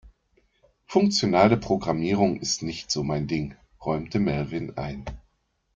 Funktionale Programmierung ist nicht so mein Ding, räumte Melvin ein.